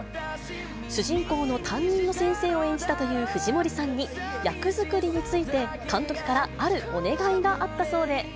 主人公の担任の先生を演じたという藤森さんに、役作りについて監督からあるお願いがあったそうで。